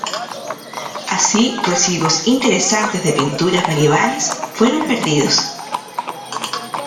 Así residuos interesantes de pinturas medievales fueron perdidos.